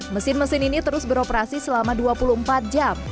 mesin mesin ini terus beroperasi selama dua puluh empat jam